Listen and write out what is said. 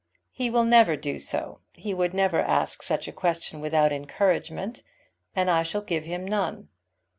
"He will never do so. He would never ask such a question without encouragement, and I shall give him none.